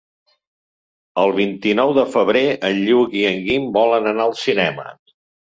El vint-i-nou de febrer en Lluc i en Guim volen anar al cinema.